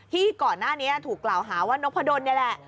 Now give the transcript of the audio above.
ที่ก่อนหน้านี้ถูกกล่าวหาว่านกพะดนนี่แหละ